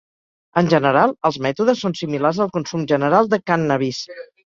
En general, els mètodes són similars al consum general de cànnabis.